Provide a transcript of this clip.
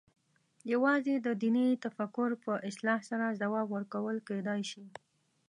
یوازې د دیني تفکر په اصلاح سره ځواب ورکول کېدای شي.